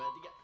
satu dua tiga